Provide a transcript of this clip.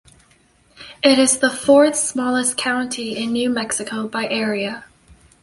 It is the fourth-smallest county in New Mexico by area.